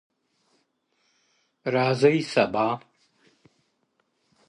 o راځي سبا ـ